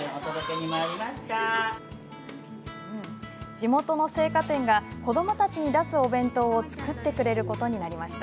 地元の青果店が子どもたちに出すお弁当を作ってくれることになりました。